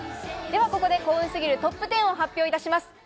では、ここで幸運すぎるトップ１０を発表いたします。